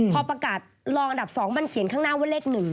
พอประกาศรองอันดับ๒มันเขียนข้างหน้าว่าเลข๑